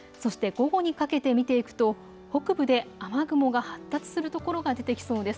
午後にかけて見ていくと北部で雨雲が発達するところが出てきそうです。